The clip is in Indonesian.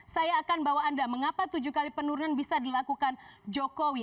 saya akan bawa anda mengapa tujuh kali penurunan bisa dilakukan jokowi